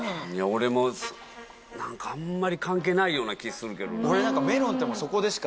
俺も何かあんまり関係ないような気するけどな。